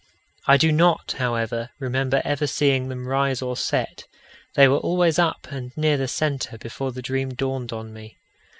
I do not, however, remember ever seeing them rise or set; they were always up and near the centre before the dream dawned on me.